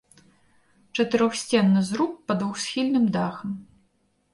Чатырохсценны зруб пад двухсхільным дахам.